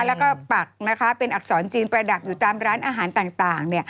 แล้วก็ปักนะคะเป็นอักษรจีนประดับอยู่ตามร้านอาหารต่าง